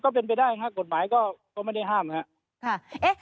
ก็เป็นไปได้ครับกฎหมายก็ไม่ได้ห้ามครับ